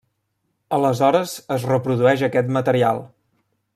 Aleshores, es reprodueix aquest material.